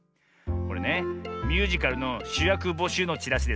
これねミュージカルのしゅやくぼしゅうのチラシでさ